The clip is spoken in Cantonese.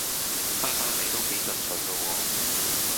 哈哈你都幾進取㗎喎